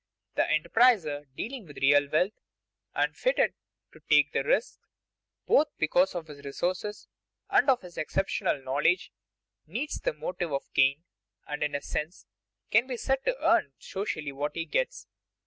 The enterpriser dealing with real wealth, and fitted to take the risks, both because of his resources and of his exceptional knowledge, needs the motive of gain, and in a sense can be said to earn socially what he gets.